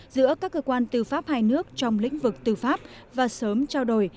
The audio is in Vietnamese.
giữa các cơ quan tư pháp hai nước trong lĩnh vực tư pháp và sớm trao đổi